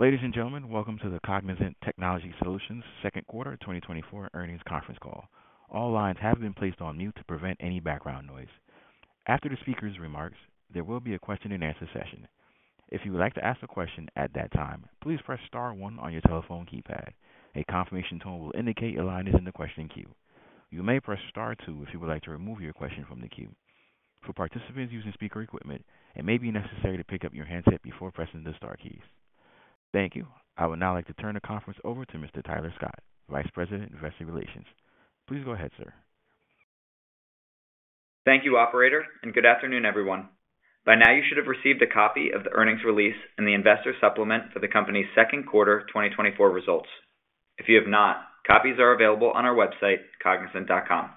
Ladies and gentlemen, Welcome to the Cognizant Technology Solutions Second Quarter 2024 Earnings Conference Call. All lines have been placed on mute to prevent any background noise. After the speaker's remarks, there will be a question-and-answer session. If you would like to ask a question at that time, please press star one on your telephone keypad. A confirmation tone will indicate your line is in the question queue. You may press star two if you would like to remove your question from the queue. For participants using speaker equipment, it may be necessary to pick up your handset before pressing the star keys. Thank you. I would now like to turn the conference over to Mr. Tyler Scott, Vice President, Investor Relations. Please go ahead, sir. Thank you, operator, and good afternoon, everyone. By now, you should have received a copy of the earnings release and the investor supplement for the company's second quarter 2024 results. If you have not, copies are available on our website, cognizant.com.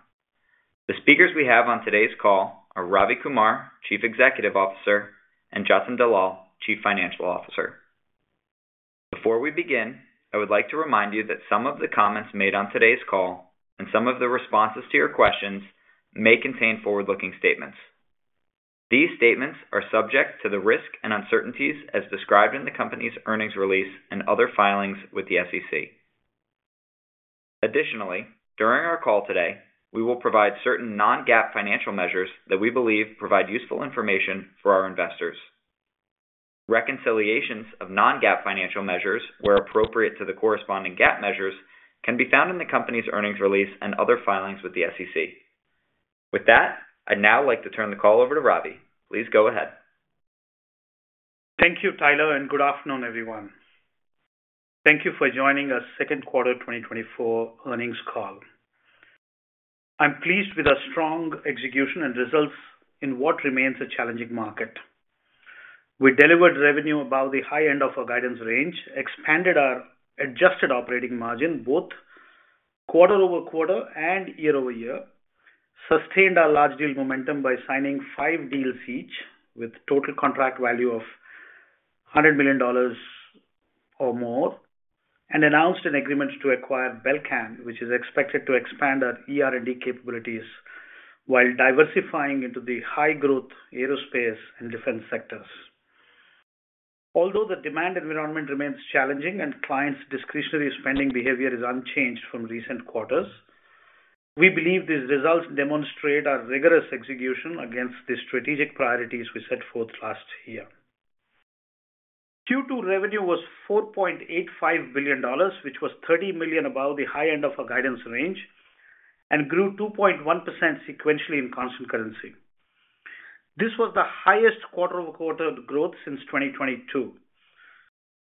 The speakers we have on today's call are Ravi Kumar, Chief Executive Officer, and Jatin Dalal, Chief Financial Officer. Before we begin, I would like to remind you that some of the comments made on today's call and some of the responses to your questions may contain forward-looking statements. These statements are subject to the risks and uncertainties as described in the company's earnings release and other filings with the SEC. Additionally, during our call today, we will provide certain non-GAAP financial measures that we believe provide useful information for our investors. Reconciliations of non-GAAP financial measures, where appropriate to the corresponding GAAP measures, can be found in the company's earnings release and other filings with the SEC. With that, I'd now like to turn the call over to Ravi. Please go ahead. Thank you, Tyler, and good afternoon, everyone. Thank you for joining our second quarter 2024 earnings call. I'm pleased with our strong execution and results in what remains a challenging market. We delivered revenue above the high end of our guidance range, expanded our adjusted operating margin both quarter-over-quarter and year-over-year, sustained our large deal momentum by signing five deals, each with total contract value of $100 million or more, and announced an agreement to acquire Belcan, which is expected to expand our ER&D capabilities while diversifying into the high-growth aerospace and defense sectors. Although the demand environment remains challenging and clients' discretionary spending behavior is unchanged from recent quarters, we believe these results demonstrate our rigorous execution against the strategic priorities we set forth last year. Q2 revenue was $4.85 billion, which was $30 million above the high end of our guidance range and grew 2.1% sequentially in constant currency. This was the highest quarter-over-quarter growth since 2022.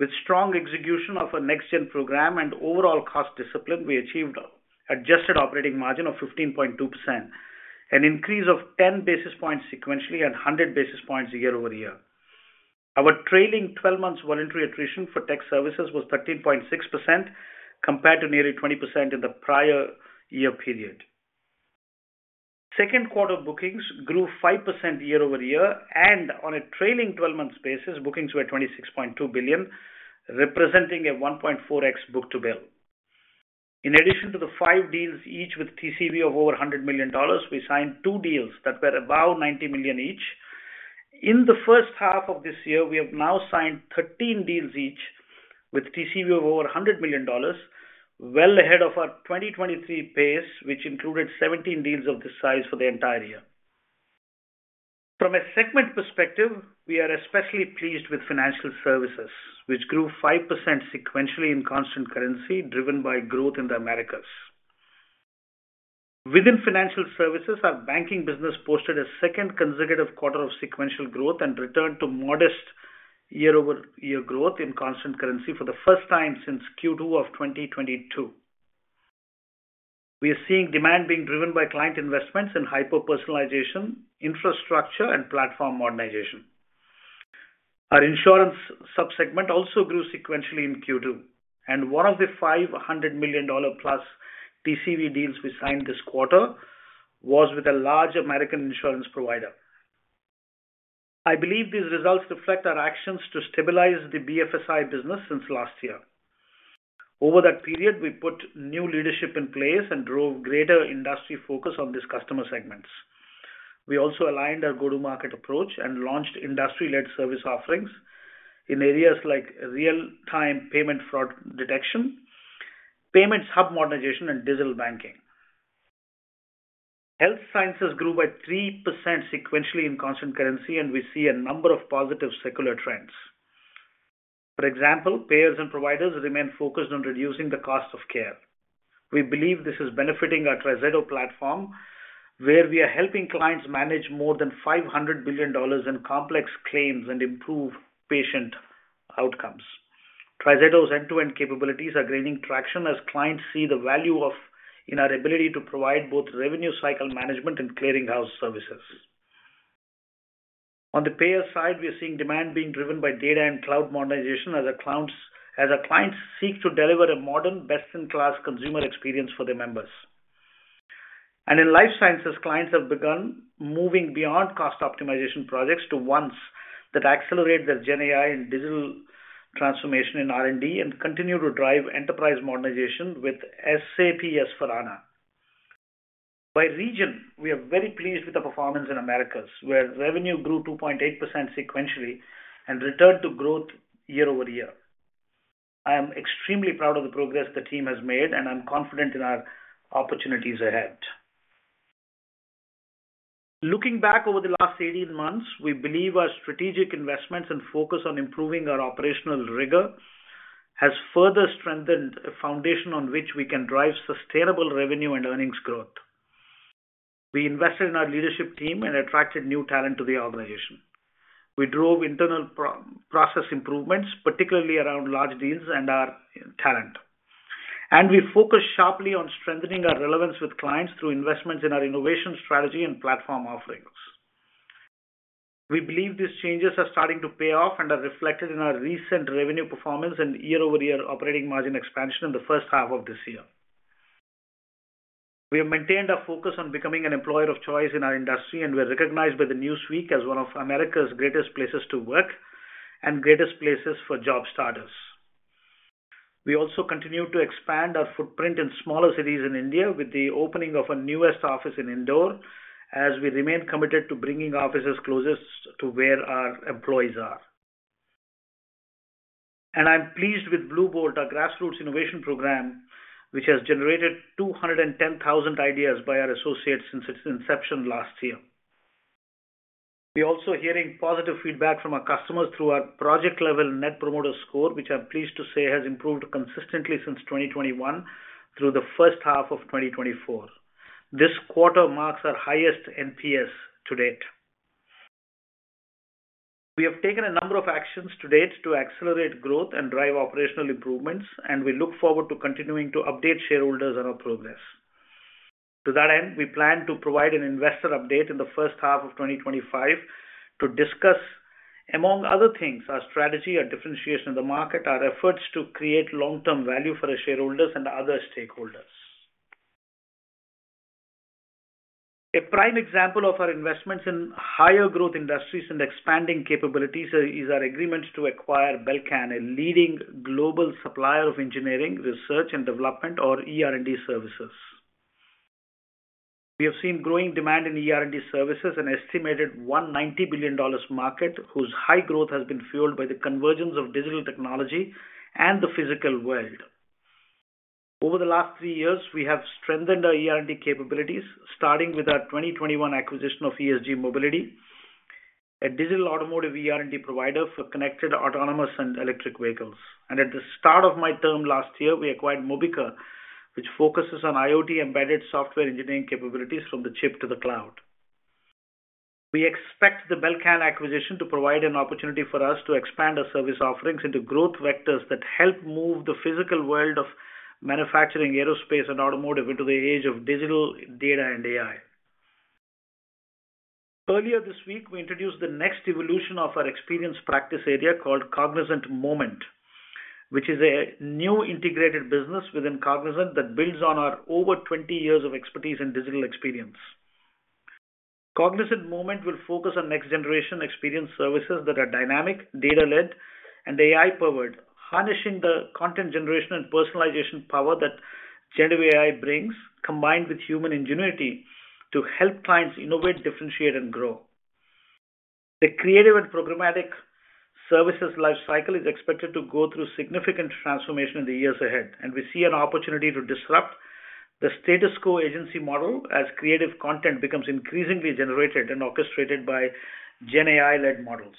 With strong execution of our NextGen program and overall cost discipline, we achieved an adjusted operating margin of 15.2%, an increase of 10 basis points sequentially and 100 basis points year-over-year. Our trailing twelve months voluntary attrition for tech services was 13.6%, compared to nearly 20% in the prior year period. Second quarter bookings grew 5% year-over-year, and on a trailing twelve-month basis, bookings were $26.2 billion, representing a 1.4x book-to-bill. In addition to the five deals, each with TCV of over $100 million, we signed two deals that were above $90 million each. In the first half of this year, we have now signed 13 deals, each with TCV of over $100 million, well ahead of our 2023 pace, which included 17 deals of this size for the entire year. From a segment perspective, we are especially pleased with financial services, which grew 5% sequentially in constant currency, driven by growth in the Americas. Within financial services, our banking business posted a second consecutive quarter of sequential growth and returned to modest year-over-year growth in constant currency for the first time since Q2 of 2022. We are seeing demand being driven by client investments in hyper-personalization, infrastructure, and platform modernization. Our insurance subsegment also grew sequentially in Q2, and one of the $500 million-plus TCV deals we signed this quarter was with a large American insurance provider. I believe these results reflect our actions to stabilize the BFSI business since last year. Over that period, we put new leadership in place and drove greater industry focus on these customer segments. We also aligned our go-to-market approach and launched industry-led service offerings in areas like real-time payment fraud detection, payments hub modernization, and digital banking. Health sciences grew by 3% sequentially in constant currency, and we see a number of positive secular trends. For example, payers and providers remain focused on reducing the cost of care. We believe this is benefiting our TriZetto platform, where we are helping clients manage more than $500 billion in complex claims and improve patient outcomes. TriZetto's end-to-end capabilities are gaining traction as clients see the value of... in our ability to provide both revenue cycle management and clearinghouse services. On the payer side, we are seeing demand being driven by data and cloud modernization as our clients seek to deliver a modern, best-in-class consumer experience for their members. And in life sciences, clients have begun moving beyond cost optimization projects to ones that accelerate their GenAI and digital transformation in R&D and continue to drive enterprise modernization with SAP S/4HANA.... By region, we are very pleased with the performance in Americas, where revenue grew 2.8% sequentially and returned to growth year-over-year. I am extremely proud of the progress the team has made, and I'm confident in our opportunities ahead. Looking back over the last 18 months, we believe our strategic investments and focus on improving our operational rigor has further strengthened a foundation on which we can drive sustainable revenue and earnings growth. We invested in our leadership team and attracted new talent to the organization. We drove internal process improvements, particularly around large deals and our talent. We focused sharply on strengthening our relevance with clients through investments in our innovation strategy and platform offerings. We believe these changes are starting to pay off and are reflected in our recent revenue performance and year-over-year operating margin expansion in the first half of this year. We have maintained our focus on becoming an employer of choice in our industry, and we are recognized by the Newsweek as one of America's greatest places to work and greatest places for job starters. We also continue to expand our footprint in smaller cities in India with the opening of our newest office in Indore, as we remain committed to bringing offices closest to where our employees are. I'm pleased with Bluebolt, our grassroots innovation program, which has generated 210,000 ideas by our associates since its inception last year. We're also hearing positive feedback from our customers through our project-level Net Promoter Score, which I'm pleased to say, has improved consistently since 2021 through the first half of 2024. This quarter marks our highest NPS to date. We have taken a number of actions to date to accelerate growth and drive operational improvements, and we look forward to continuing to update shareholders on our progress. To that end, we plan to provide an investor update in the first half of 2025 to discuss, among other things, our strategy, our differentiation in the market, our efforts to create long-term value for our shareholders and other stakeholders. A prime example of our investments in higher growth industries and expanding capabilities is our agreement to acquire Belcan, a leading global supplier of engineering, research, and development or ER&D services. We have seen growing demand in ER&D services, an estimated $190 billion market, whose high growth has been fueled by the convergence of digital technology and the physical world. Over the last three years, we have strengthened our ER&D capabilities, starting with our 2021 acquisition of ESG Mobility, a digital automotive ER&D provider for connected, autonomous, and electric vehicles. At the start of my term last year, we acquired Mobica, which focuses on IoT embedded software engineering capabilities from the chip to the cloud. We expect the Belcan acquisition to provide an opportunity for us to expand our service offerings into growth vectors that help move the physical world of manufacturing, aerospace, and automotive into the age of digital data and AI. Earlier this week, we introduced the next evolution of our experience practice area called Cognizant Moment, which is a new integrated business within Cognizant that builds on our over 20 years of expertise in digital experience. Cognizant Moment will focus on next-generation experience services that are dynamic, data-led, and AI-powered, harnessing the content generation and personalization power that generative AI brings, combined with human ingenuity, to help clients innovate, differentiate, and grow. The creative and programmatic services life cycle is expected to go through significant transformation in the years ahead, and we see an opportunity to disrupt the status quo agency model as creative content becomes increasingly generated and orchestrated by Gen AI-led models.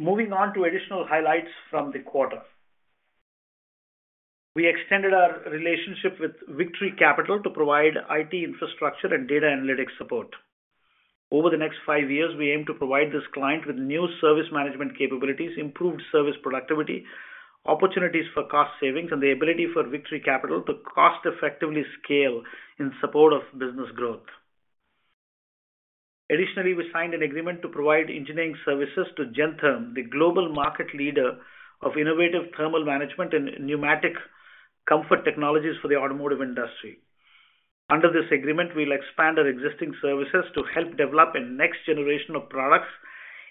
Moving on to additional highlights from the quarter. We extended our relationship with Victory Capital to provide IT infrastructure and data analytics support. Over the next five years, we aim to provide this client with new service management capabilities, improved service productivity, opportunities for cost savings, and the ability for Victory Capital to cost effectively scale in support of business growth. Additionally, we signed an agreement to provide engineering services to Gentherm, the global market leader of innovative thermal management and pneumatic comfort technologies for the automotive industry. Under this agreement, we'll expand our existing services to help develop a next generation of products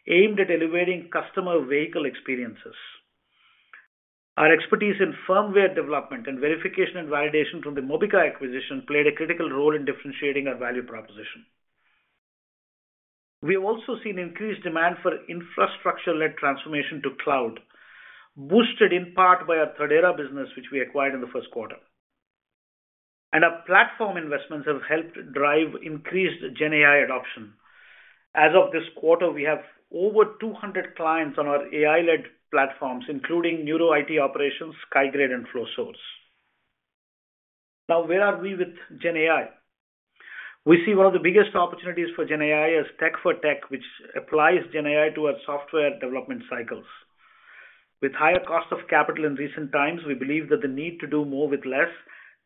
aimed at elevating customer vehicle experiences. Our expertise in firmware development and verification and validation from the Mobica acquisition played a critical role in differentiating our value proposition. We've also seen increased demand for infrastructure-led transformation to cloud, boosted in part by our Thirdera business, which we acquired in the first quarter. And our platform investments have helped drive increased Gen AI adoption. As of this quarter, we have over 200 clients on our AI-led platforms, including Neuro IT Operations, Skygrade, and Flowsource. Now, where are we with Gen AI? We see one of the biggest opportunities for Gen AI as tech for tech, which applies Gen AI to our software development cycles. With higher costs of capital in recent times, we believe that the need to do more with less,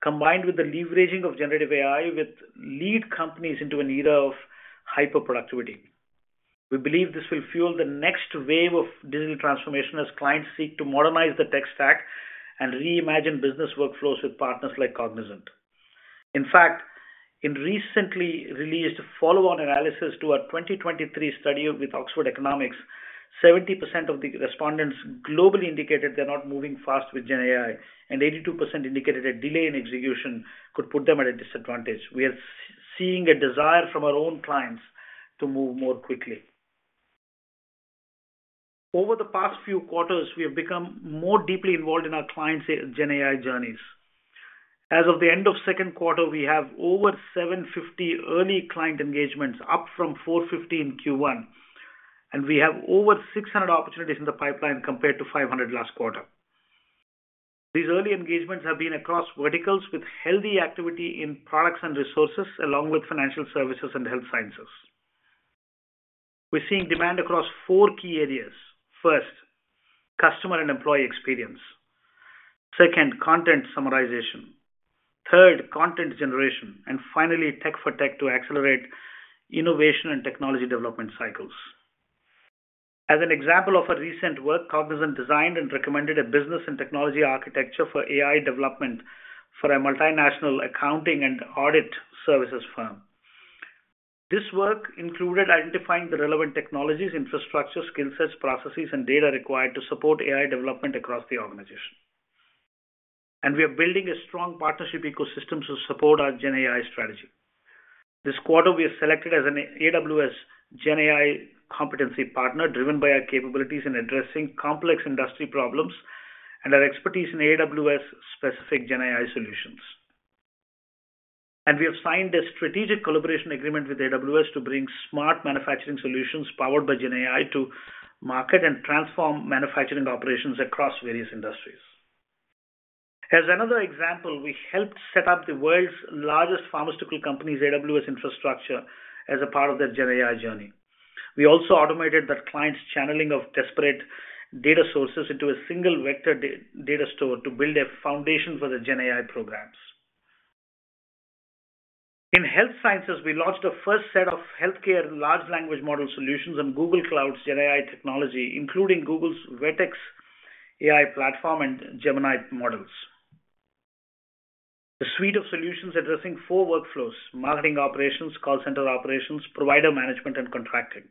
combined with the leveraging of generative AI, will lead companies into an era of hyperproductivity. We believe this will fuel the next wave of digital transformation as clients seek to modernize the tech stack and reimagine business workflows with partners like Cognizant. In fact, in recently released follow-on analysis to our 2023 study with Oxford Economics, 70% of the respondents globally indicated they're not moving fast with GenAI, and 82% indicated a delay in execution could put them at a disadvantage. We are seeing a desire from our own clients to move more quickly. Over the past few quarters, we have become more deeply involved in our clients' GenAI journeys. As of the end of second quarter, we have over 750 early client engagements, up from 450 in Q1, and we have over 600 opportunities in the pipeline compared to 500 last quarter. These early engagements have been across verticals, with healthy activity in products and resources, along with financial services and health sciences. We're seeing demand across four key areas: first, customer and employee experience; second, content summarization; third, content generation; and finally, tech for tech to accelerate innovation and technology development cycles. As an example of a recent work, Cognizant designed and recommended a business and technology architecture for AI development for a multinational accounting and audit services firm. This work included identifying the relevant technologies, infrastructure, skill sets, processes, and data required to support AI development across the organization. We are building a strong partnership ecosystem to support our GenAI strategy. This quarter, we are selected as an AWS GenAI competency partner, driven by our capabilities in addressing complex industry problems and our expertise in AWS-specific GenAI solutions. We have signed a strategic collaboration agreement with AWS to bring smart manufacturing solutions powered by GenAI to market and transform manufacturing operations across various industries. As another example, we helped set up the world's largest pharmaceutical company's AWS infrastructure, as a part of their GenAI journey. We also automated that client's channeling of disparate data sources into a single vector data store to build a foundation for their GenAI programs. In health sciences, we launched the first set of healthcare large language model solutions on Google Cloud's GenAI technology, including Google's Vertex AI platform and Gemini models. The suite of solutions addressing four workflows: marketing operations, call center operations, provider management, and contracting.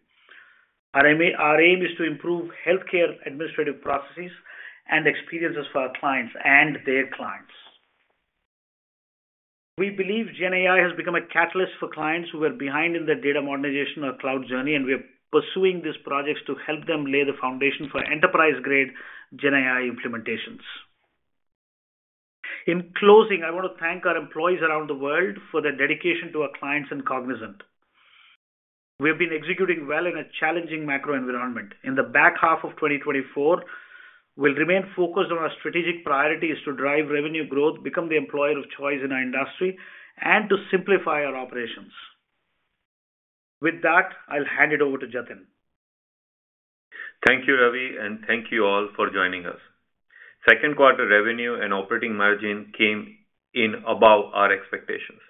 Our aim, our aim is to improve healthcare administrative processes and experiences for our clients and their clients. We believe GenAI has become a catalyst for clients who were behind in their data modernization or cloud journey, and we are pursuing these projects to help them lay the foundation for enterprise-grade GenAI implementations. In closing, I want to thank our employees around the world for their dedication to our clients and Cognizant. We've been executing well in a challenging macro environment. In the back half of 2024, we'll remain focused on our strategic priorities to drive revenue growth, become the employer of choice in our industry, and to simplify our operations. With that, I'll hand it over to Jatin. Thank you, Ravi, and thank you all for joining us. Second quarter revenue and operating margin came in above our expectations.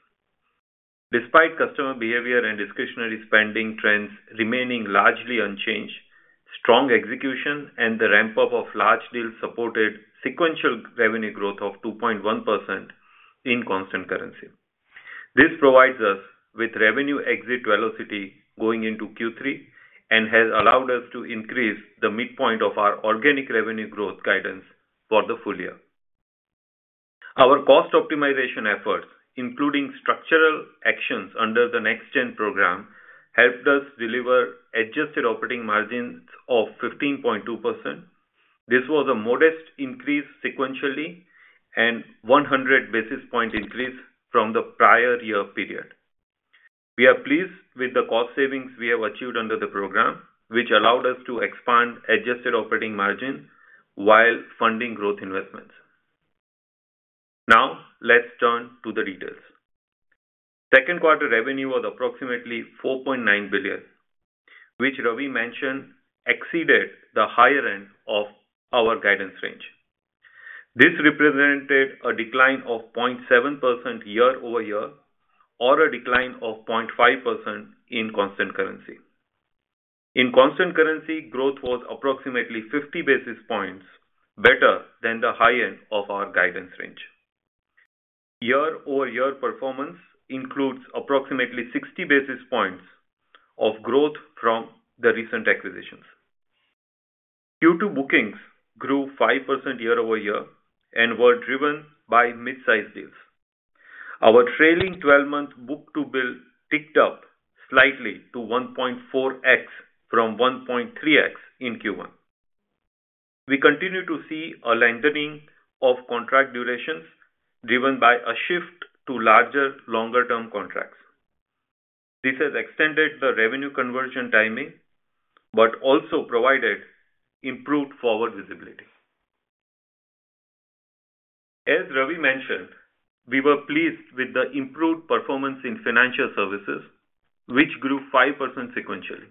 Despite customer behavior and discretionary spending trends remaining largely unchanged, strong execution and the ramp-up of large deals supported sequential revenue growth of 2.1% in constant currency. This provides us with revenue exit velocity going into Q3 and has allowed us to increase the midpoint of our organic revenue growth guidance for the full year. Our cost optimization efforts, including structural actions under the NextGen program, helped us deliver adjusted operating margins of 15.2%. This was a modest increase sequentially and 100 basis points increase from the prior year period. We are pleased with the cost savings we have achieved under the program, which allowed us to expand adjusted operating margins while funding growth investments. Now, let's turn to the details. Second quarter revenue was approximately $4.9 billion, which Ravi mentioned exceeded the higher end of our guidance range. This represented a decline of 0.7% year-over-year, or a decline of 0.5% in constant currency. In constant currency, growth was approximately 50 basis points, better than the high end of our guidance range. Year-over-year performance includes approximately 60 basis points of growth from the recent acquisitions. Q2 bookings grew 5% year-over-year and were driven by mid-sized deals. Our trailing 12-month book-to-bill ticked up slightly to 1.4x from 1.3x in Q1. We continue to see a lengthening of contract durations, driven by a shift to larger, longer-term contracts. This has extended the revenue conversion timing, but also provided improved forward visibility. As Ravi mentioned, we were pleased with the improved performance in financial services, which grew 5% sequentially.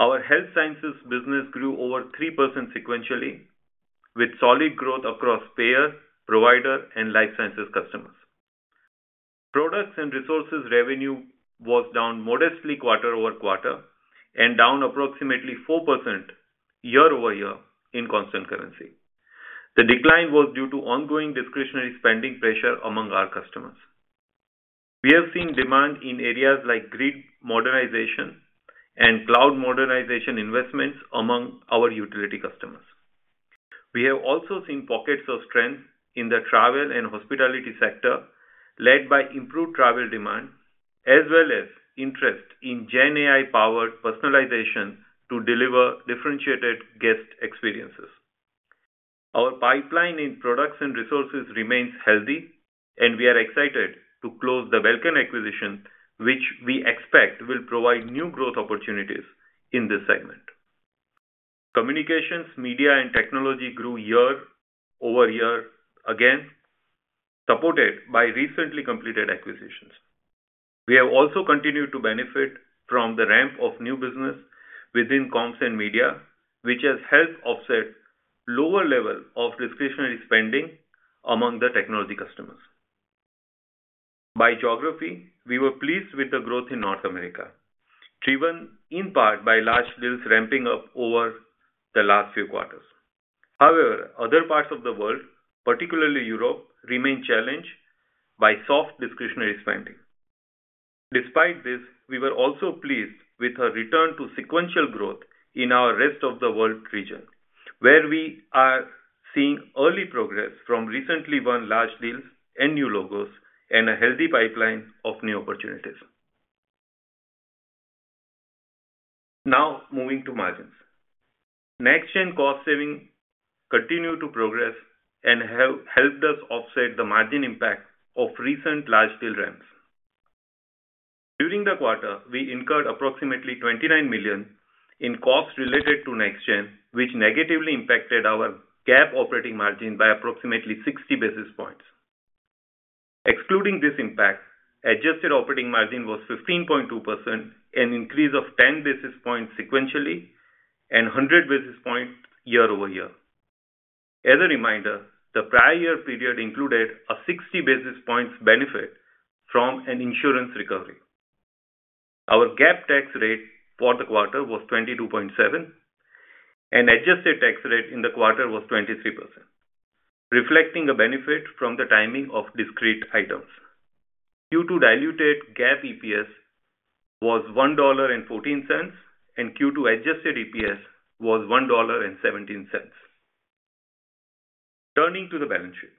Our health sciences business grew over 3% sequentially, with solid growth across payer, provider, and life sciences customers. Products and resources revenue was down modestly quarter over quarter and down approximately 4% year-over-year in constant currency. The decline was due to ongoing discretionary spending pressure among our customers. We have seen demand in areas like grid modernization and cloud modernization investments among our utility customers. We have also seen pockets of strength in the travel and hospitality sector, led by improved travel demand, as well as interest in GenAI-powered personalization to deliver differentiated guest experiences. Our pipeline in products and resources remains healthy, and we are excited to close the Belcan acquisition, which we expect will provide new growth opportunities in this segment. Communications, media, and technology grew year-over-year again, supported by recently completed acquisitions. We have also continued to benefit from the ramp of new business within comms and media, which has helped offset lower level of discretionary spending among the technology customers. By geography, we were pleased with the growth in North America, driven in part by large deals ramping up over the last few quarters. However, other parts of the world, particularly Europe, remain challenged by soft discretionary spending. Despite this, we were also pleased with a return to sequential growth in our rest of the world region, where we are seeing early progress from recently won large deals and new logos and a healthy pipeline of new opportunities. Now, moving to margins. NextGen cost savings continue to progress and have helped us offset the margin impact of recent large deal ramps. During the quarter, we incurred approximately $29 million in costs related to NextGen, which negatively impacted our GAAP operating margin by approximately 60 basis points. Excluding this impact, adjusted operating margin was 15.2%, an increase of 10 basis points sequentially and 100 basis points year-over-year. As a reminder, the prior year period included a 60 basis points benefit from an insurance recovery. Our GAAP tax rate for the quarter was 22.7%, and adjusted tax rate in the quarter was 23%, reflecting a benefit from the timing of discrete items. Q2 diluted GAAP EPS was $1.14, and Q2 adjusted EPS was $1.17. Turning to the balance sheet.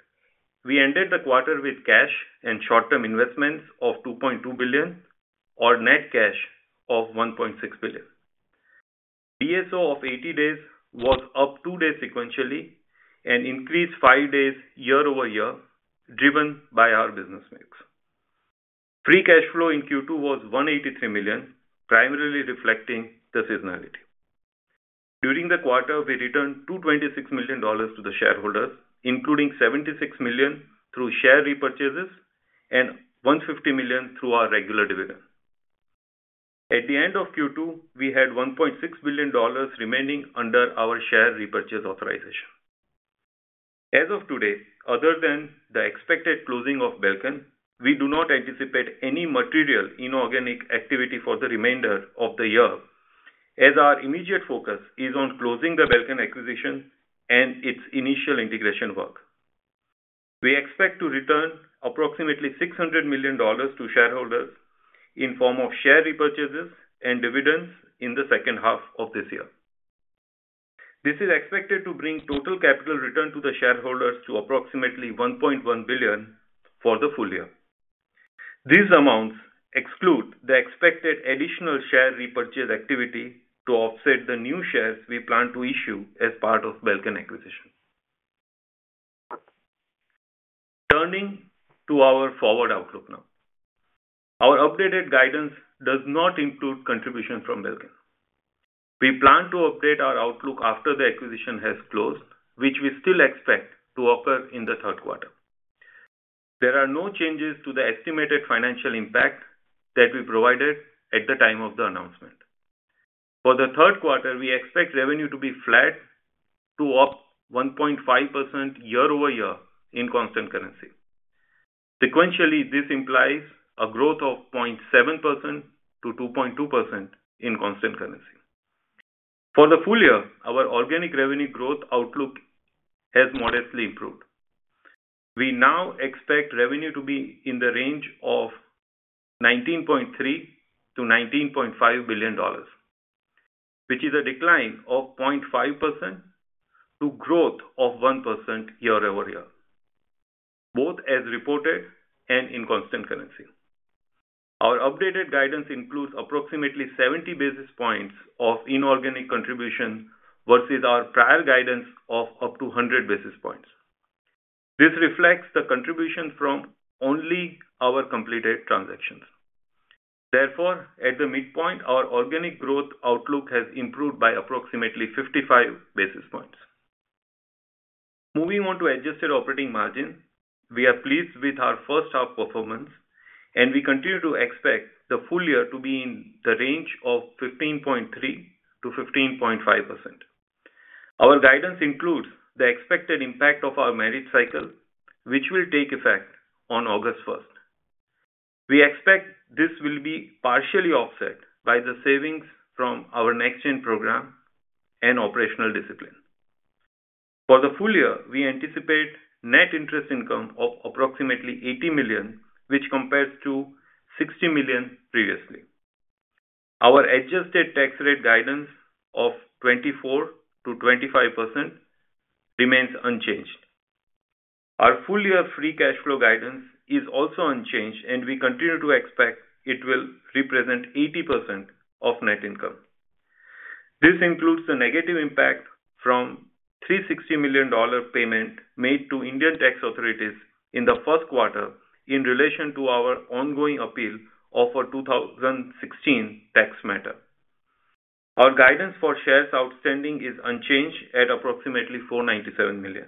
We ended the quarter with cash and short-term investments of $2.2 billion, or net cash of $1.6 billion. DSO of 80 days was up two days sequentially and increased five days year-over-year, driven by our business mix. Free cash flow in Q2 was $183 million, primarily reflecting the seasonality. During the quarter, we returned $226 million to the shareholders, including $76 million through share repurchases and $150 million through our regular dividend. At the end of Q2, we had $1.6 billion remaining under our share repurchase authorization. As of today, other than the expected closing of Belcan, we do not anticipate any material inorganic activity for the remainder of the year, as our immediate focus is on closing the Belcan acquisition and its initial integration work. We expect to return approximately $600 million to shareholders in form of share repurchases and dividends in the second half of this year. This is expected to bring total capital return to the shareholders to approximately $1.1 billion for the full year. These amounts exclude the expected additional share repurchase activity to offset the new shares we plan to issue as part of Belcan acquisition. Turning to our forward outlook now. Our updated guidance does not include contribution from Belcan. We plan to update our outlook after the acquisition has closed, which we still expect to occur in the third quarter. There are no changes to the estimated financial impact that we provided at the time of the announcement. For the third quarter, we expect revenue to be flat to up 1.5% year-over-year in constant currency. Sequentially, this implies a growth of 0.7% to 2.2% in constant currency. For the full year, our organic revenue growth outlook has modestly improved. We now expect revenue to be in the range of $19.3 billion-$19.5 billion, which is a decline of 0.5% to growth of 1% year-over-year, both as reported and in constant currency. Our updated guidance includes approximately 70 basis points of inorganic contribution versus our prior guidance of up to 100 basis points. This reflects the contribution from only our completed transactions. Therefore, at the midpoint, our organic growth outlook has improved by approximately 55 basis points. Moving on to adjusted operating margin. We are pleased with our first half performance, and we continue to expect the full year to be in the range of 15.3%-15.5%. Our guidance includes the expected impact of our merit cycle, which will take effect on August 1.... We expect this will be partially offset by the savings from our NextGen program and operational discipline. For the full year, we anticipate net interest income of approximately $80 million, which compares to $60 million previously. Our adjusted tax rate guidance of 24%-25% remains unchanged. Our full-year free cash flow guidance is also unchanged, and we continue to expect it will represent 80% of net income. This includes the negative impact from $360 million payment made to Indian tax authorities in the first quarter in relation to our ongoing appeal of a 2016 tax matter. Our guidance for shares outstanding is unchanged at approximately 497 million.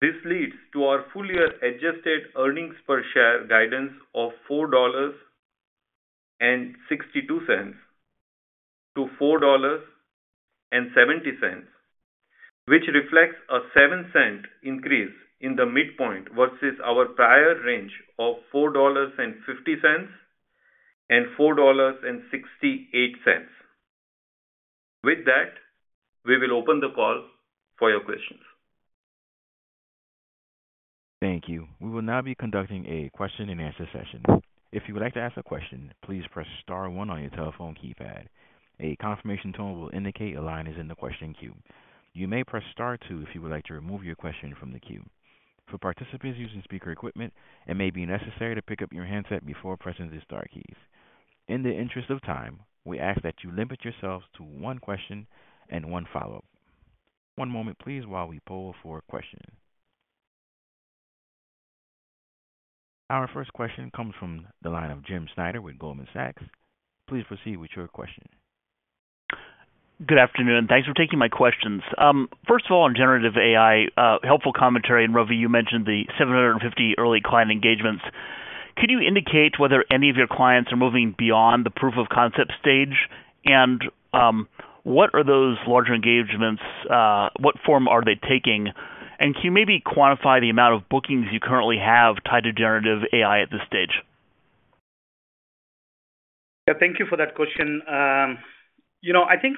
This leads to our full-year Adjusted Earnings Per Share guidance of $4.62-$4.70, which reflects a $0.7 increase in the midpoint versus our prior range of $4.50-$4.68. With that, we will open the call for your questions. Thank you. We will now be conducting a question-and-answer session. If you would like to ask a question, please press star one on your telephone keypad. A confirmation tone will indicate your line is in the question queue. You may press star two if you would like to remove your question from the queue. For participants using speaker equipment, it may be necessary to pick up your handset before pressing the star keys. In the interest of time, we ask that you limit yourselves to one question and one follow-up. One moment, please, while we poll for a question. Our first question comes from the line of James Schneider with Goldman Sachs. Please proceed with your question. Good afternoon. Thanks for taking my questions. First of all, on generative AI, helpful commentary, and Ravi, you mentioned the 750 early client engagements. Could you indicate whether any of your clients are moving beyond the proof of concept stage? And, what are those larger engagements, what form are they taking? And can you maybe quantify the amount of bookings you currently have tied to generative AI at this stage? Yeah, thank you for that question. You know, I think,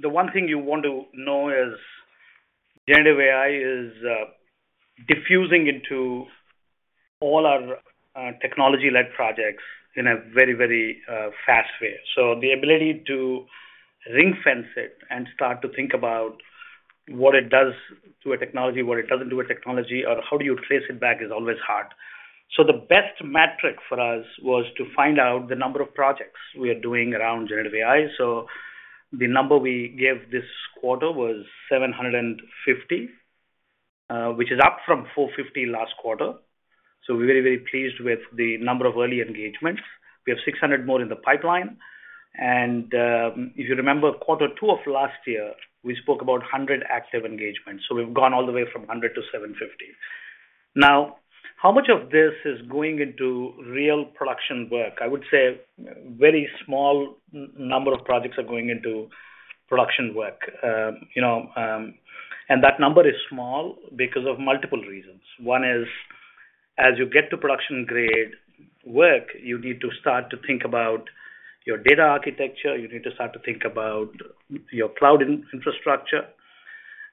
the one thing you want to know is generative AI is, diffusing into all our, technology-led projects in a very, very, fast way. So the ability to ring-fence it and start to think about what it does to a technology, what it doesn't do a technology, or how do you trace it back, is always hard. So the best metric for us was to find out the number of projects we are doing around generative AI. So the number we gave this quarter was 750, which is up from 450 last quarter. So we're very, very pleased with the number of early engagements. We have 600 more in the pipeline, and, if you remember quarter two of last year, we spoke about 100 active engagements. So we've gone all the way from 100 to 750. Now, how much of this is going into real production work? I would say a very small number of projects are going into production work. You know, and that number is small because of multiple reasons. One is, as you get to production-grade work, you need to start to think about your data architecture, you need to start to think about your cloud infrastructure,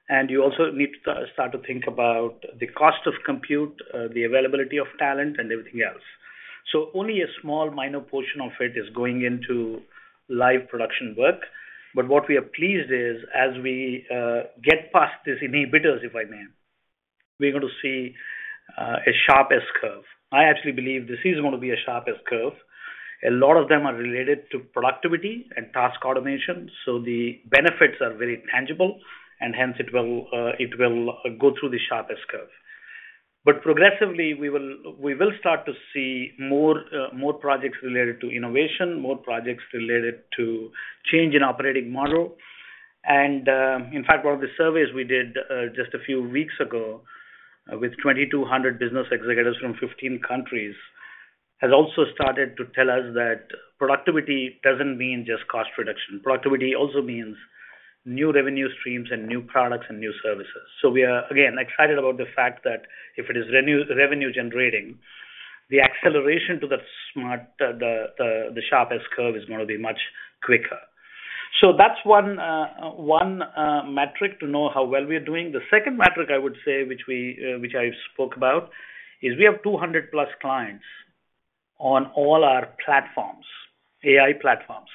and you also need to start to think about the cost of compute, the availability of talent and everything else. So only a small minor portion of it is going into live production work. But what we are pleased is as we get past this inhibitors, if I may, we're going to see a sharp S-curve. I actually believe this is gonna be a sharp S-curve. A lot of them are related to productivity and task automation, so the benefits are very tangible, and hence, it will go through the sharp S-curve. But progressively, we will start to see more projects related to innovation, more projects related to change in operating model. In fact, one of the surveys we did just a few weeks ago with 2,200 business executives from 15 countries has also started to tell us that productivity doesn't mean just cost reduction. Productivity also means new revenue streams and new products and new services. So we are, again, excited about the fact that if it is revenue-generating, the acceleration to the sharp S-curve is gonna be much quicker. So that's one metric to know how well we are doing. The second metric I would say, which we, which I spoke about, is we have 200+ clients on all our platforms, AI platforms.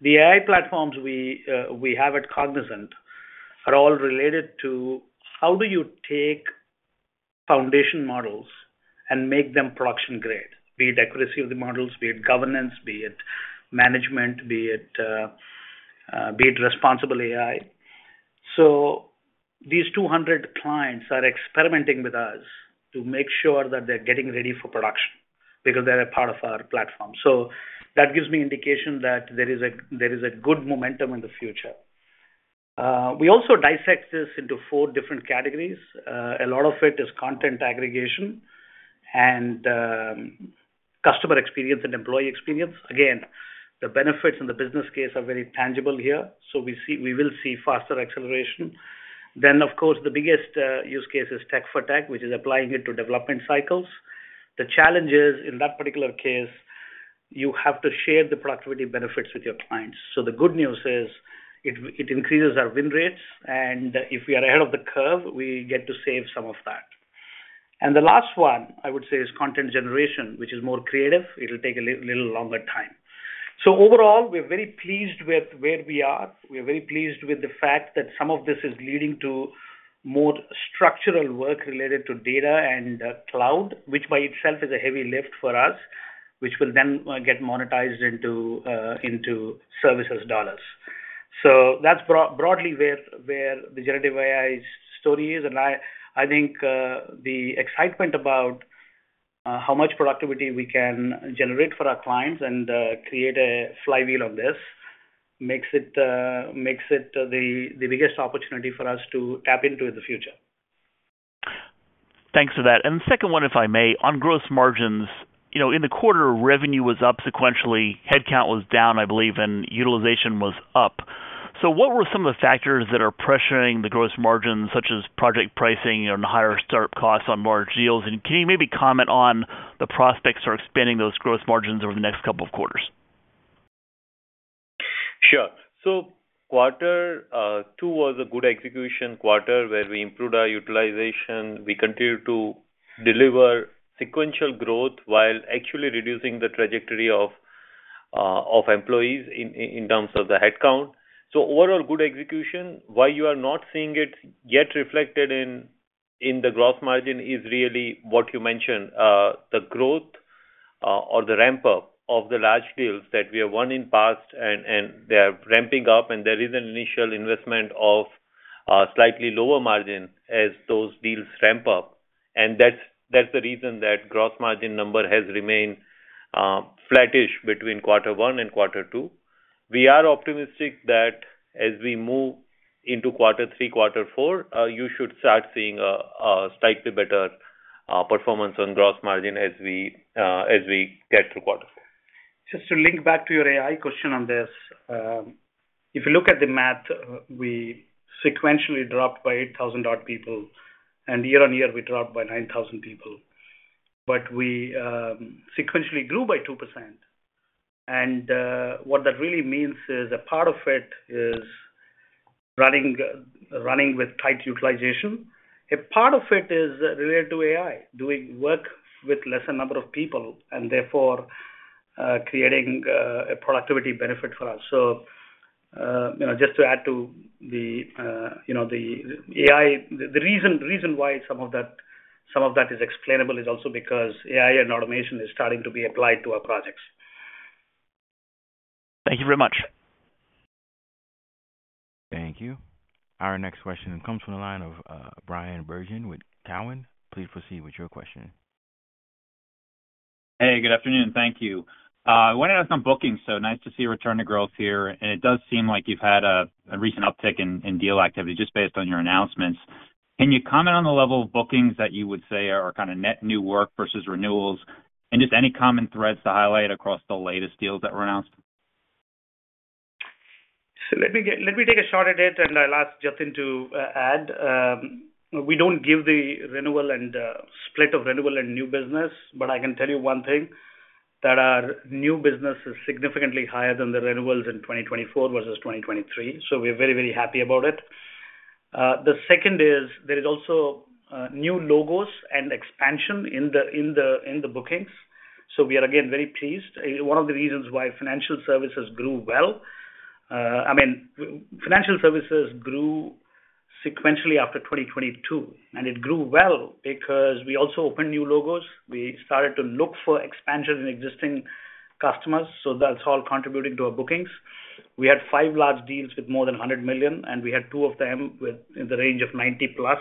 The AI platforms we, we have at Cognizant are all related to how do you take foundation models and make them production-grade, be it accuracy of the models, be it governance, be it management, be it, be it responsible AI. So these 200 clients are experimenting with us to make sure that they're getting ready for production because they're a part of our platform. So that gives me indication that there is a good momentum in the future. We also dissect this into four different categories. A lot of it is content aggregation and, customer experience and employee experience. Again, the benefits and the business case are very tangible here, so we see, we will see faster acceleration. Then, of course, the biggest use case is tech for tech, which is applying it to development cycles. The challenge is, in that particular case, you have to share the productivity benefits with your clients. So the good news is, it increases our win rates, and if we are ahead of the curve, we get to save some of that. And the last one, I would say, is content generation, which is more creative. It'll take a little longer time. So overall, we're very pleased with where we are. We're very pleased with the fact that some of this is leading to more structural work related to data and cloud, which by itself is a heavy lift for us, which will then get monetized into services dollars. So that's broadly where the generative AI story is, and I think the excitement about how much productivity we can generate for our clients and create a flywheel of this makes it the biggest opportunity for us to tap into in the future. Thanks for that. And second one, if I may. On gross margins, you know, in the quarter, revenue was up sequentially, headcount was down, I believe, and utilization was up. So what were some of the factors that are pressuring the gross margins, such as project pricing and higher start costs on large deals? And can you maybe comment on the prospects for expanding those gross margins over the next couple of quarters? Sure. So quarter two was a good execution quarter, where we improved our utilization. We continued to deliver sequential growth while actually reducing the trajectory of employees in terms of the headcount. So overall, good execution. Why you are not seeing it yet reflected in the gross margin is really what you mentioned, the growth or the ramp-up of the large deals that we have won in past and they are ramping up, and there is an initial investment of slightly lower margin as those deals ramp up. And that's the reason that gross margin number has remained flattish between quarter one and quarter two. We are optimistic that as we move into quarter three, quarter four, you should start seeing a slightly better performance on gross margin as we get to quarter four. Just to link back to your AI question on this. If you look at the math, we sequentially dropped by 8,000 people, and year-on-year, we dropped by 9,000 people, but we sequentially grew by 2%. What that really means is a part of it is running with tight utilization. A part of it is related to AI, doing work with lesser number of people and therefore creating a productivity benefit for us. You know, just to add to the, you know, the AI, the reason why some of that is explainable is also because AI and automation is starting to be applied to our projects. Thank you very much. Thank you. Our next question comes from the line of Bryan Bergin with Cowen. Please proceed with your question. Hey, good afternoon. Thank you. I wanted to ask on bookings, so nice to see a return to growth here, and it does seem like you've had a recent uptick in deal activity just based on your announcements. Can you comment on the level of bookings that you would say are kind of net new work versus renewals? And just any common threads to highlight across the latest deals that were announced? Let me take a shot at it, and I'll ask Justin to add. We don't give the renewal and split of renewal and new business, but I can tell you one thing, that our new business is significantly higher than the renewals in 2024 versus 2023, so we're very, very happy about it. The second is there is also new logos and expansion in the bookings, so we are again, very pleased. One of the reasons why financial services grew well, I mean, financial services grew sequentially after 2022, and it grew well because we also opened new logos. We started to look for expansion in existing customers, so that's all contributing to our bookings. We had five large deals with more than $100 million, and we had two of them within the range of 90+.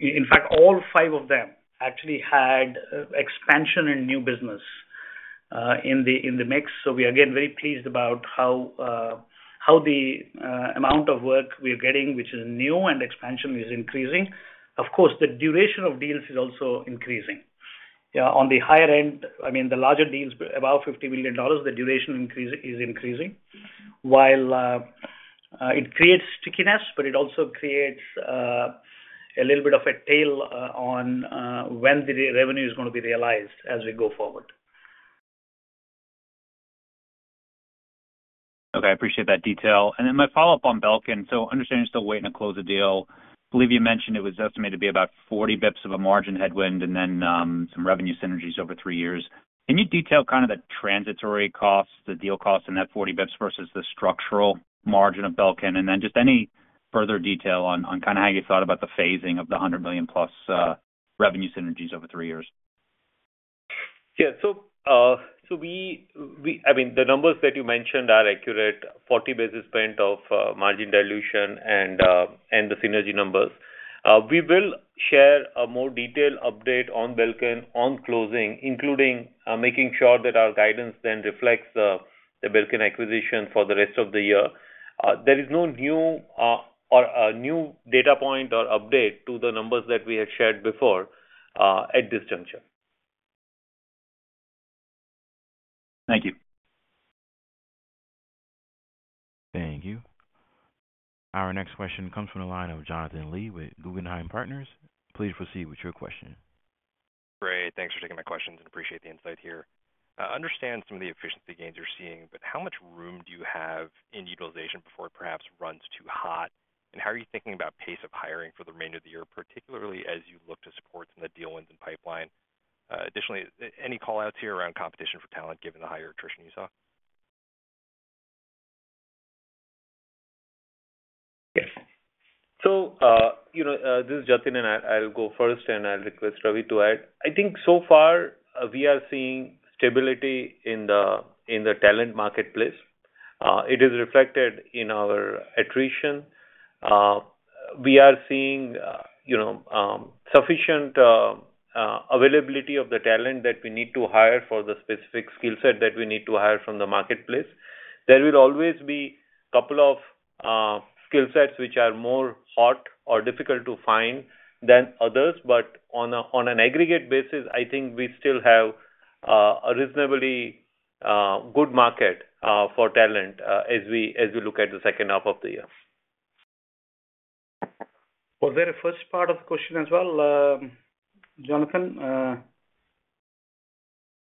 In fact, all five of them actually had expansion and new business in the mix. So we are again very pleased about how the amount of work we are getting, which is new and expansion, is increasing. Of course, the duration of deals is also increasing. On the higher end, I mean, the larger deals, about $50 million, the duration increase is increasing. While it creates stickiness, but it also creates a little bit of a tail on when the revenue is gonna be realized as we go forward. Okay, I appreciate that detail. Then my follow-up on Belcan. I understand you're still waiting to close the deal. I believe you mentioned it was estimated to be about 40 basis points of a margin headwind and then some revenue synergies over three years. Can you detail kind of the transitory costs, the deal costs in that 40 basis points versus the structural margin of Belcan? And then just any further detail on how you thought about the phasing of the $100 million+ revenue synergies over three years. Yeah. So, I mean, the numbers that you mentioned are accurate, 40 basis points of margin dilution and the synergy numbers. We will share a more detailed update on Belcan on closing, including making sure that our guidance then reflects the Belcan acquisition for the rest of the year. There is no new or a new data point or update to the numbers that we had shared before at this juncture. Thank you. Thank you. Our next question comes from the line of Jonathan Lee with Guggenheim Partners. Please proceed with your question. Great. Thanks for taking my questions and appreciate the insight here. I understand some of the efficiency gains you're seeing, but how much room do you have in utilization before it perhaps runs too hot? And how are you thinking about pace of hiring for the remainder of the year, particularly as you look to support some of the deal wins and pipeline? Additionally, any call outs here around competition for talent, given the higher attrition you saw? Yes. So, you know, this is Jatin, and I, I'll go first, and I'll request Ravi to add. I think so far, we are seeing stability in the talent marketplace. It is reflected in our attrition. We are seeing, you know, sufficient availability of the talent that we need to hire for the specific skill set that we need to hire from the marketplace. There will always be a couple of skill sets which are more hot or difficult to find than others, but on an aggregate basis, I think we still have a reasonably good market for talent as we look at the second half of the year. Was there a first part of the question as well, Jonathan?